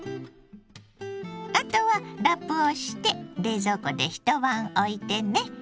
あとはラップをして冷蔵庫で一晩おいてね。